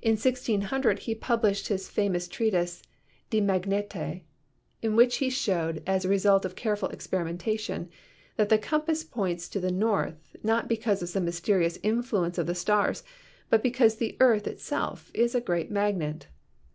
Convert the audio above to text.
In 1600 he published his famous treatise, "De Mag nete," in which he showed as the result of careful experi mentation" that the compass points to the north, not be Early Chinese Compass. cause of some mysterious influence of the stars but because the earth is itself a great magnet.